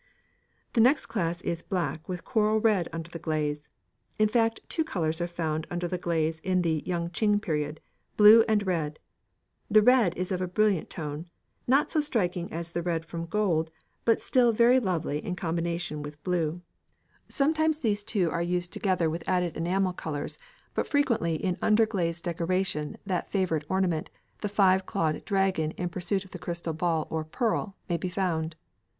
The next class is black with coral red under the glaze; in fact, two colours are found under the glaze in the Yung ching period, blue and red. The red is of a brilliant tone, not so striking as the red from gold, but still very lovely in its combination with blue. Sometimes these two are used together with added enamel colours, but frequently in under glaze decoration that favourite ornament, the five clawed dragon in pursuit of the crystal ball or pearl, may be found.